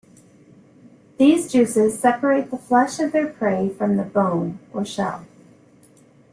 These juices separate the flesh of their prey from the bone or shell.